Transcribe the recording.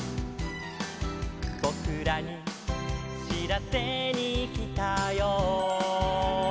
「ぼくらにしらせにきたよ」